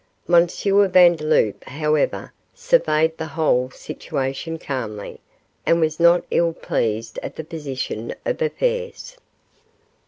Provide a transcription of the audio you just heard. M. Vandeloup, however, surveyed the whole situation calmly, and was not ill pleased at the position of affairs.